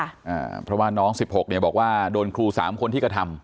อ่าเพราะว่าน้องสิบหกเนี่ยบอกว่าโดนครูสามคนที่กระทำ